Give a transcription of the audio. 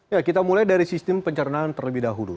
ya kita mulai dari sistem pencernaan terlebih dahulu